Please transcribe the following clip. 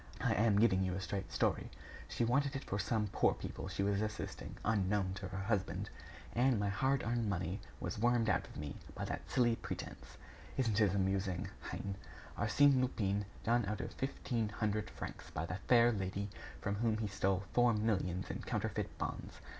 I am giving you a straight story. She wanted it for some poor people she was assisting unknown to her husband. And my hard earned money was wormed out of me by that silly pretense! Isn't it amusing, hein? Arsène Lupin done out of fifteen hundred francs by the fair lady from whom he stole four millions in counterfeit bonds!